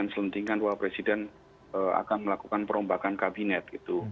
selentingan bahwa presiden akan melakukan perombakan kabinet gitu